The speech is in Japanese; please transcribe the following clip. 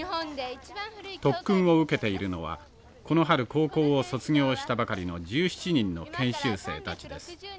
特訓を受けているのはこの春高校を卒業したばかりの１７人の研修生たちです。